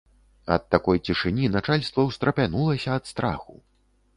Ад такой цішыні начальства ўстрапянулася ад страху.